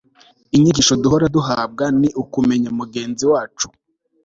inyigisho duhora duhabwa ni ukumenya mugenzi wacu